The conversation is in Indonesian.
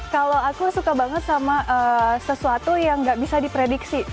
kalau aku suka banget sama sesuatu yang nggak bisa diprediksi